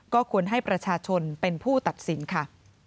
ก็ควรให้ประชาชนเป็นผู้ตัดสินค่ะ